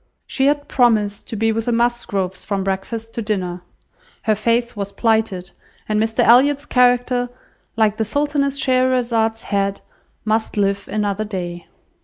She had promised to be with the Musgroves from breakfast to dinner. Her faith was plighted, and Mr Elliot's character, like the Sultaness Scheherazade's head, must live another day.